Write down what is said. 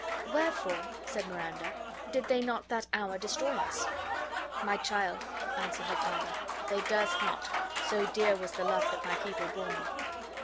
"Wherefore," said Miranda, "did they not that hour destroy us?" "My child," answered her father, "they durst not, so dear was the love that my people bore me.